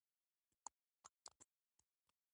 څه ترلاسه کړل.